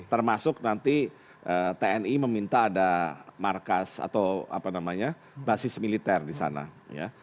termasuk nanti tni meminta ada markas atau apa namanya basis militer di sana ya